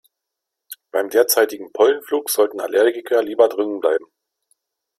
Beim derzeitigen Pollenflug sollten Allergiker lieber drinnen bleiben.